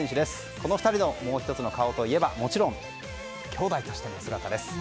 この２人のもう１つの顔といえばもちろん、兄妹としての姿です。